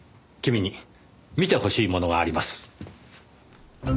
君に見てほしいものがあります。